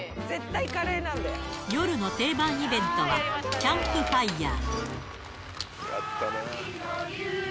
夜の定番イベントは、キャンプファイヤー。